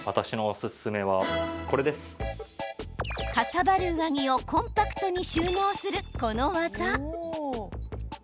かさばる上着をコンパクトに収納する、この技。